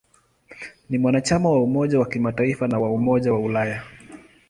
Ni mwanachama wa Umoja wa Mataifa na wa Umoja wa Ulaya.